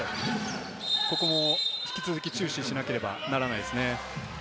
ここも引き続き注視しなければならないですね。